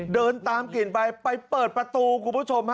เดินตามกลิ่นไปไปเปิดประตูคุณผู้ชมฮะ